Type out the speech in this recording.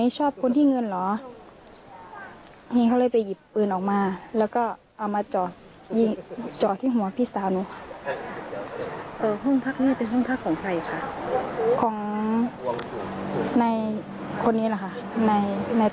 ของในคนนี้แหละค่ะในตั้มนี่